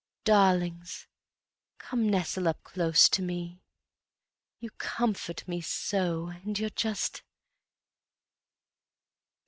Darlings! Come nestle up close to me, You comfort me so, and you're just